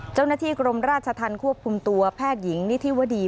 เจ้าหน้าที่กรมราชธรรมควบคุมตัวแพทย์หญิงนิธิวดี